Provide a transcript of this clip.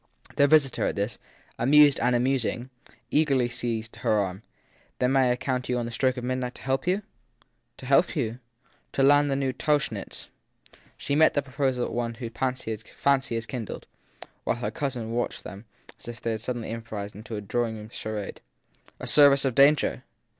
Their visitor, at this, amused and amusing, eagerly seized her arm. Then may I count on you on the stroke of midnight to help me ?> THE THIRD PERSON 259 To help you ? To land the last new Tauchnitz. She met the proposal as one whose fancy had kindled, while her cousin watched them as if they had suddenly improvised a drawing room charade. A service of danger